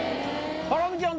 ハラミちゃん